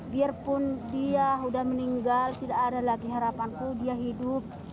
biarpun dia sudah meninggal tidak ada lagi harapanku dia hidup